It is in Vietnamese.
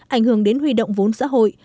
ảnh hưởng đến huy động vốn xã hội